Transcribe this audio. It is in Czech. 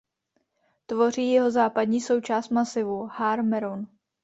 Tvoří jihozápadní součást masivu Har Meron.